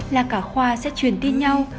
là cả khoa sẽ truyền tin nhau